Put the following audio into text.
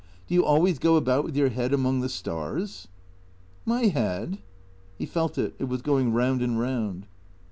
Do you always go about with your head among the stars ?"" My head ?" He felt it. It was going round and round.